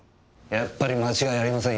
やっぱり間違いありませんよ